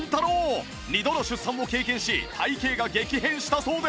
２度の出産を経験し体形が激変したそうで